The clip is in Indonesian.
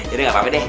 ini gapapa deh